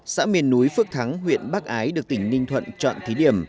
xã miền núi phước thắng huyện bắc ái được tỉnh ninh thuận chọn thí điểm